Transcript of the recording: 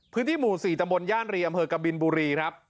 พื้นที่หมู่๔ตำบลย่านรีอำเภอกบินบุรีครับ